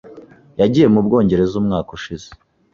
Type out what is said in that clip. Yagiye mu Bwongereza umwaka ushize .